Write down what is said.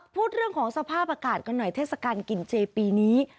พูดเรื่องของสภาพอากาศกันหน่อยเทศกาลกินเจปีนี้